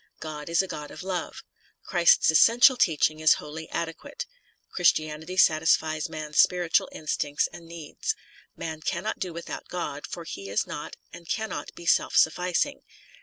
God is a God of Love. Christ's essential teaching is wholly adequate ; Christianity satisfies man's spiritual instincts and needs. Man cannot do without God, for he is not and cannot be self sufficing.